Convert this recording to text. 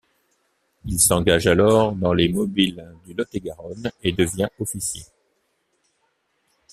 Il s'engage alors dans les mobiles du Lot-et-Garonne et devient officier.